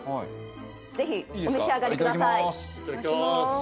ぜひお召し上がりくださいいいですか？